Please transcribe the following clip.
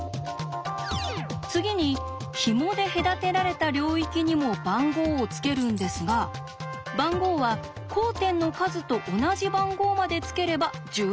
次にひもで隔てられた領域にも番号をつけるんですが番号は交点の数と同じ番号までつければ十分です。